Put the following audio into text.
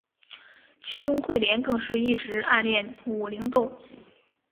其中彗莲更是一直暗恋武零斗。